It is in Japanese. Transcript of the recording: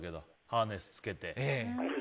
ハーネスつけて。